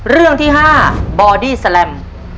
เรื่องที่๕บอดี้แลม